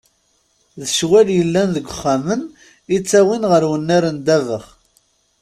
D ccwal yellan deg yexxamen i ttawin ɣer wennar n ddabex.